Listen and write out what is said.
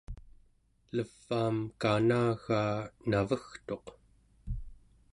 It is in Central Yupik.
levaam kanagaa navegtuq